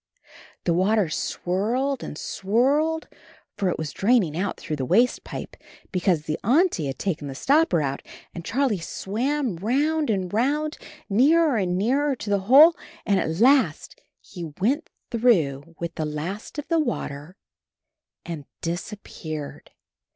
The water swirled and swirled, for it was draining out through the waste pipe because the Auntie had taken the stopper out, and Charlie swam round and round nearer and nearer to the hole, and at last he went through with the last of the water and disappeared.